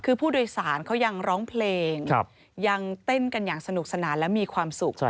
คือผู้โดยสารเขายังร้องเพลงยังเต้นกันอย่างสนุกสนานและมีความสุข